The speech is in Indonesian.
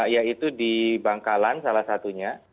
yaitu di bangkalan salah satunya